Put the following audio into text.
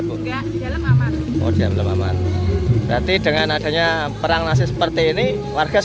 berarti dengan adanya perang nasi seperti ini warga